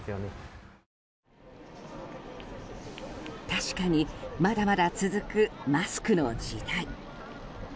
確かに、まだまだ続くマスクの時代。